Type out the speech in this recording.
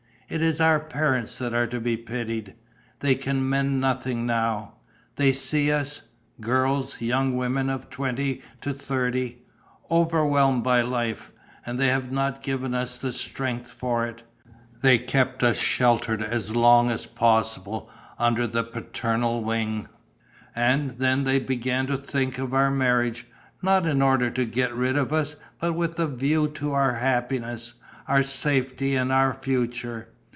It is our parents that are to be pitied. They can mend nothing now. They see us girls, young women of twenty to thirty overwhelmed by life; and they have not given us the strength for it. They kept us sheltered as long as possible under the paternal wing; and then they began to think of our marriage, not in order to get rid of us, but with a view to our happiness, our safety and our future.